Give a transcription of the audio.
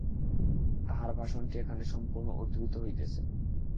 তাঁহার ভাষণটি এখানে সম্পূর্ণ উদ্ধৃত হইতেছে।